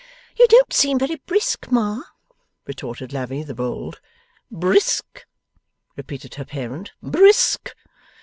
'You don't seem very brisk, Ma,' retorted Lavvy the bold. 'Brisk?' repeated her parent, 'Brisk?